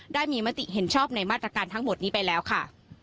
ได้มีมติเห็นชอบในมาตรการทั้งหมดนี้ไปแล้วค่ะ